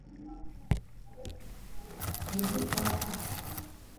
ambapo kelele maskini moja kwa moja kwa sheria na kanuni zao